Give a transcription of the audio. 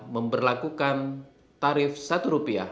memperlakukan tarif rp satu